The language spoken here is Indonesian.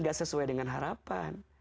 gak sesuai dengan harapan